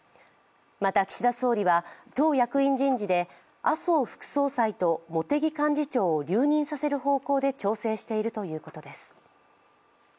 また、岸田総理は党役員人事で麻生副総裁と茂木幹事長を留任させる方向で調整しているということです。